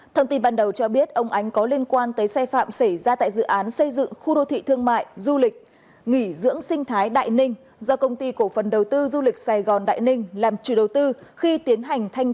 thông tin ban đầu cho biết ông ánh có liên quan tới xe phạm xảy ra tại dự án xây dựng khu đô thị thương mại du lịch nghỉ dưỡng sinh thái đại ninh do công ty cổ phần đầu tư du lịch sài gòn đại ninh làm chủ đầu tư khi tiến hành thanh tra dự án này